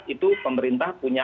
itu pemerintah punya